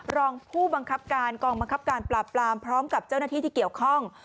รองผู้บังคับการกองบังคับการปราบปรามพร้อมกับเจ้าหน้าที่ที่เกี่ยวข้อง